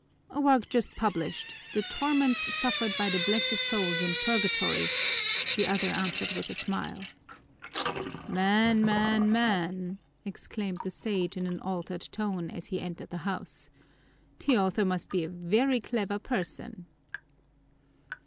"A work just published: 'The Torments Suffered by the Blessed Souls in Purgatory,'" the other answered with a smile. "Man, man, man!" exclaimed the Sage in an altered tone as he entered the house. "The author must be a very clever person."